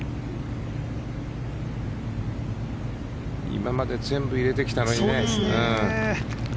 今まで全部入れてきたのにね。